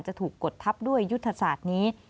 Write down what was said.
จะถูกกดทับด้วยยุทธศาสตร์นี้